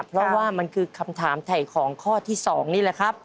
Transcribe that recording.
เพราะว่ามันคือคำถามไถ่ของข้อที่๒นี่แหละครับ